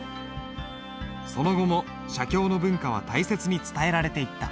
その後も写経の文化は大切に伝えられていった。